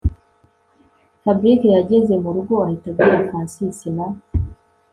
Fabric yageze murugo ahita abwira Francis na